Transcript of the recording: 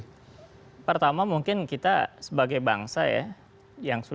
dan menurut saya di generasi milenial sekarang ataupun juga kalangan polisi